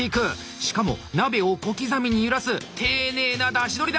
しかも鍋を小刻みに揺らす丁寧なだしどりだ！